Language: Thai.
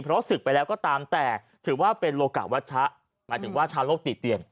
เพราะศึกไปแล้วก็ตามแต่ถือว่าเป็นโลกะวัชชะหมายถึงว่าชาวโลกติเตียน